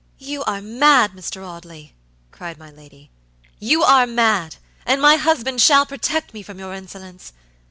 "You are mad, Mr. Audley!" cried my lady. "You are mad, and my husband shall protect me from your insolence.